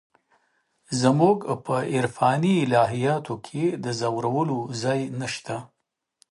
زموږ په عرفاني الهیاتو کې د ځورولو ځای نشته.